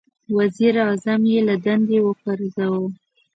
• وزیر اعظم یې له دندې وپرځاوه.